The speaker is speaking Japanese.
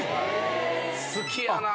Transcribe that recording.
好きやな。